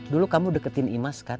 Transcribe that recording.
dulu kamu deketin imas kan